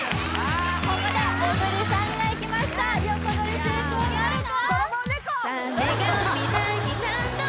ここで小栗さんがいきました横取り成功なるか？